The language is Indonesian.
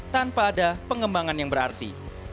tanpa ada pengembangan yang berarti